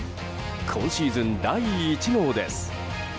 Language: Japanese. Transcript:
今シーズン第１号です。